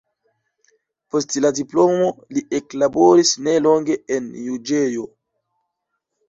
Post la diplomo li eklaboris nelonge en juĝejo.